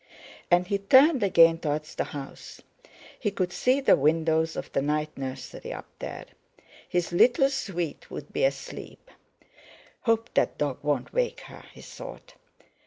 And he turned again towards the house. He could see the windows of the night nursery up there. His little sweet would be asleep. "Hope that dog won't wake her!" he thought.